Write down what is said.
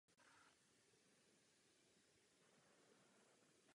Zde je kontrola na hodnotu null.